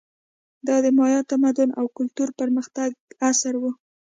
دا د مایا تمدن او کلتور پرمختګ عصر و.